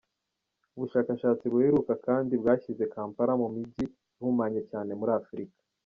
Ubushakashatsi buheruka kandi bwashyize Kampala mu mijyi ihumanye cyane muri Afurika.